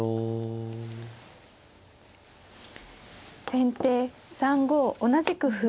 先手３五同じく歩。